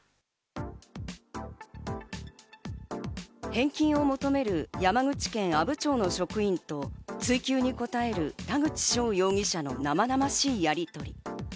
返金を求める山口県阿武町の職員と追及に答える田口翔容疑者の生々しいやりとり。